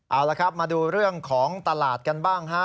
เอาละครับมาดูเรื่องของตลาดกันบ้างฮะ